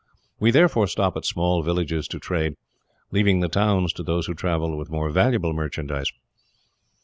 We therefore stop at small villages to trade, leaving the towns to those who travel with more valuable merchandise."